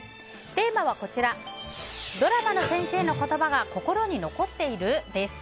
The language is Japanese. テーマはドラマの先生の言葉が心に残っている？です。